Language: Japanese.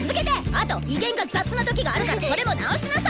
あと移弦が雑な時があるからそれも直しなさい！